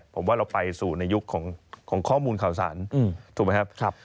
ผมว่าเราไปสู่ในยุคของข้อมูลข่าวสารถูกไหมครับ